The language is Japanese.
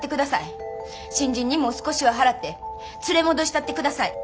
新人にも少しは払って連れ戻したってください。